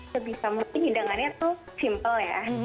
sebisa mungkin hidangannya tuh simple ya